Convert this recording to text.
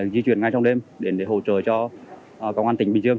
di chuyển ngay trong đêm đến để hỗ trợ cho công an tỉnh bình dương